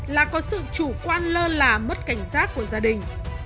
là có sự chủ quan lơ là mất cảnh giác của gia đình